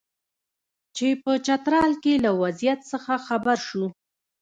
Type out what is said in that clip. چې په چترال کې له وضعیت څخه خبر شو.